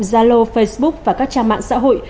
zalo facebook và các trang mạng xã hội